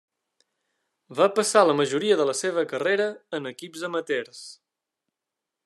Va passar la majoria de la seva carrera en equips amateurs.